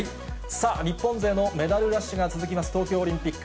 さあ、日本勢のメダルラッシュが続きます、東京オリンピック。